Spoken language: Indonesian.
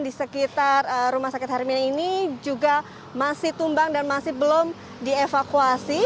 di sekitar rumah sakit hermina ini juga masih tumbang dan masih belum dievakuasi